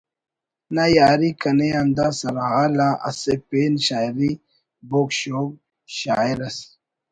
نا یاری کنے ہندا سرحال آ اسہ پین براہوئی بوگ شوگ شاعر اس